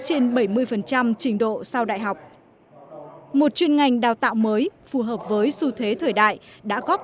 trên bảy mươi trình độ sau đại học một chuyên ngành đào tạo mới phù hợp với xu thế thời đại đã góp